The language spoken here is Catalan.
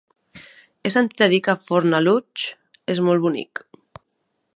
He sentit a dir que Fornalutx és molt bonic.